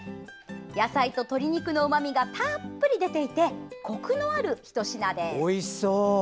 野菜と鶏肉のうまみがたっぷり出ていてこくのある、ひと品です。